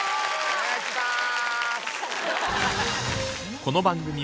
お願いします！